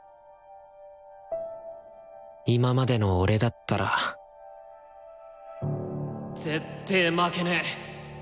今までの俺だったらぜってぇ負けねぇ！